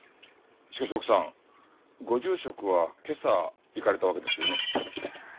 しかし奥さんご住職は今朝行かれたわけですよね？